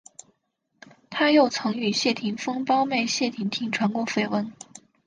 他又曾与谢霆锋胞妹谢婷婷传过绯闻。